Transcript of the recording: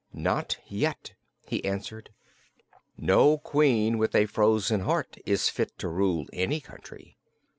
"Not yet," he answered. "No Queen with a frozen heart is fit to rule any country."